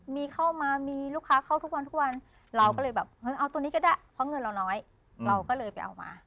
มีเข้ามามีลูกค้าเข้าทุกวันทุกวันเราก็เลยแบบเฮ้ยเอาตัวนี้ก็ได้เพราะเงินเราน้อยเราก็เลยไปเอามา